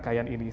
dalam hal ini